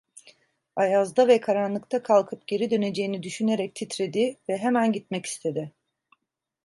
Ayazda ve karanlıkta kalkıp geri döneceğini düşünerek titredi ve hemen gitmek istedi.